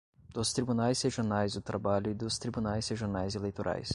dos Tribunais Regionais do Trabalho e dos Tribunais Regionais Eleitorais